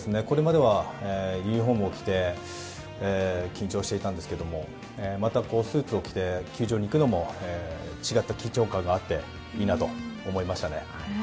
これまではユニホームを着て緊張していたんですけれどもまたスーツを着て球場に行くのも違った緊張感があっていいなと思いましたね。